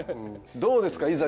どうですか？